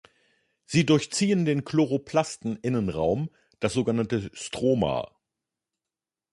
Sie durchziehen den Chloroplasten-Innenraum, das so genannte Stroma.